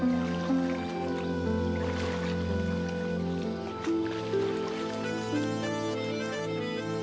jangan sampai damitelles